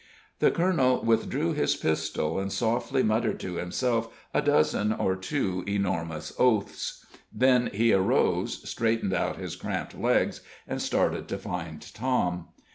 The colonel withdrew his pistol, and softly muttered to himself a dozen or two enormous oaths; then he arose, straightened out his cramped legs, and started to find Tom.